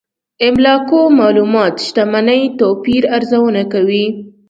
املاکو معلومات شتمنۍ توپير ارزونه کوي.